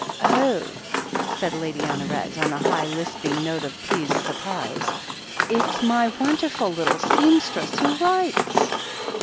"Oh," said Lady Honoret, on a high, lisping note of pleased surprise, "it's my wonderful little seamstress, who writes!